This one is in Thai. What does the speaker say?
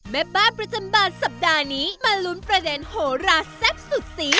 แม่บ้านประจำบานสัปดาห์นี้มาลุ้นประเด็นโหราแซ่บสุดสี